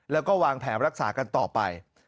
แล้วก็วางแผนรักษากันต่อไป